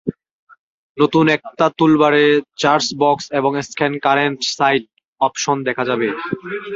নতুন একটা টুলবারে সার্চ বক্স এবং স্ক্যান কারেন্ট সাইট অপশন দেখা যাবে।